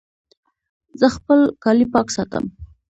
زه خپل کالي پاک ساتم.